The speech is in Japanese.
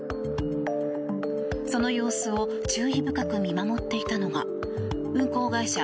その様子を注意深く見守っていたのが運航会社